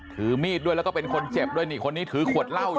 ถือมีดด้วยแล้วก็เป็นคนเจ็บด้วยนี่คนนี้ถือขวดเหล้าอยู่